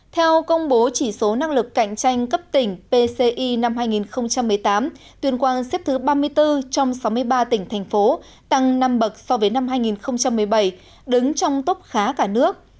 theo công bố chỉ số năng lực cạnh tranh cấp tỉnh pci năm hai nghìn một mươi tám tuyên quang xếp thứ ba mươi bốn trong sáu mươi ba tỉnh thành phố tăng năm bậc so với năm hai nghìn một mươi bảy đứng trong tốc khá cả nước